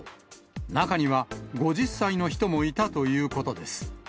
中には５０歳の人もいたということです。